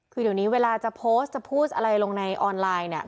คือเดี๋ยวนี้เวลาจะโพสต์จะพูดอะไรลงในออนไลน์เนี่ย